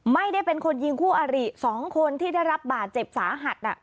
ไม่ได้เป็นคนยิงคู่อริ๒คนที่ได้รับบาดเจ็บสาหัส